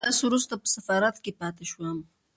لس ورځې په سفارت کې پاتې شوم.